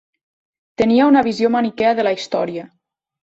Tenia una visió maniquea de la història.